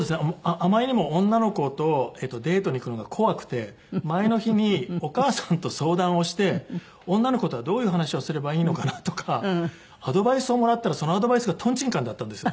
あまりにも女の子とデートに行くのが怖くて前の日にお母さんと相談をして女の子とはどういう話をすればいいのかなとかアドバイスをもらったらそのアドバイスがとんちんかんだったんですよ。